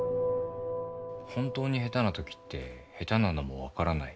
「本当に下手なときって下手なのも分からない」